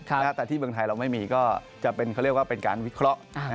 แต่ที่เมืองไทยเราไม่มีก็จะเป็นเขาเรียกว่าเป็นการวิเคราะห์